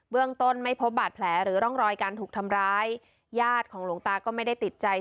เรื่องต้นไม่พบบาดแผลหรือร่องรอยการถูกทำร้ายญาติของหลวงตาก็ไม่ได้ติดใจ